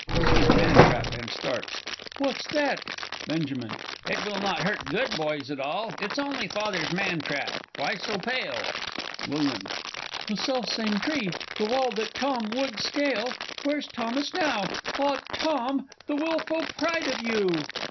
[Sees Man trap, and starts. What's that? Benj. It will not hurt good boys at all It's only Father's Man trap why so pale? Wm. The self same tree! ... the wall that Tom would scale! Where's Thomas now? Ah, Tom, the wilful pride of you.